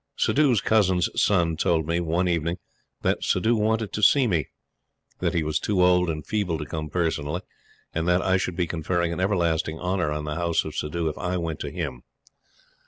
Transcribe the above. Suddhoo's cousin's son told me, one evening, that Suddhoo wanted to see me; that he was too old and feeble to come personally, and that I should be conferring an everlasting honor on the House of Suddhoo if I went to him.